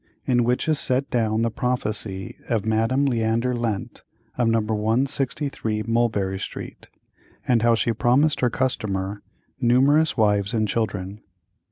In which is set down the prophecy of Madame Leander Lent, of No. 163 Mulberry Street; and how she promised her Customer numerous Wives and Children.